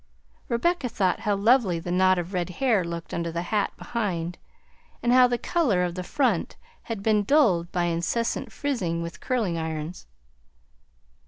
Rebecca thought how lovely the knot of red hair looked under the hat behind, and how the color of the front had been dulled by incessant frizzing with curling irons.